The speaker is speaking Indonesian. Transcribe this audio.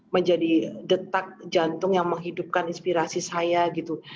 menjadi detak jantung yang menghidupkan inspirasi saya gitu